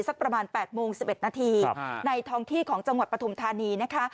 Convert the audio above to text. สักประมาณแปดโมงสิบเอ็ดนาทีครับในทองที่ของจังหวัดปฐมธานีนะฮะ